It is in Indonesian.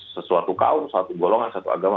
sesuatu kaum sesuatu golongan sesuatu agama